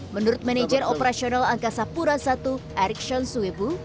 menurut manajer operasional angkasa pura satu erickson suebu